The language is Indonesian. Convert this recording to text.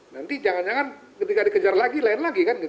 nanti jangan jangan ketika dikejar lagi lain lagi kan